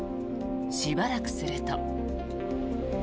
しばらくすると。